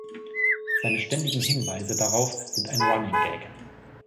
Seine ständigen Hinweise darauf sind ein Running Gag.